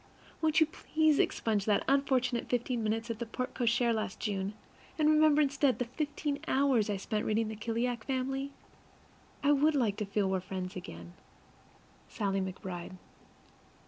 Won't you please expunge that unfortunate fifteen minutes at the porte cochere last June, and remember instead the fifteen hours I spent reading the Kallikak Family? I would like to feel that we're friends again. SALLIE McBRIDE.